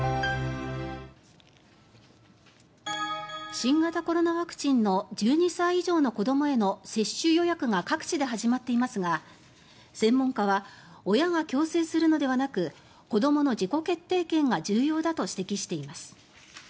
新型コロナワクチンの１２歳以上の子どもへの接種予約が各地で始まっていますが専門家は親が強制するのではなく子どもの自己決定権が重要だと指摘しています。